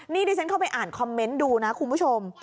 นี่ดิฉันเข้าไปอ่านคอมเมนต์ดูนะคุณผู้ชม